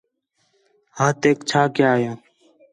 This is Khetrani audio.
ہتھیک چھا کَیا یا